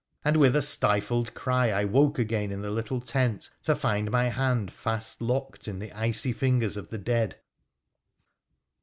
And with a stifled cry I woke again in the little tent, to find my hand fast locked in the icy fingers of the dead.